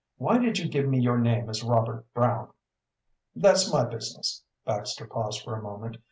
Why did you give me your name as Robert Brown?" "That's my business." Baxter paused for a moment.